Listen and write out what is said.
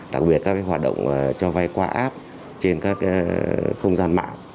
đặc biệt các hoạt động cho vay qua app trên các không gian mạng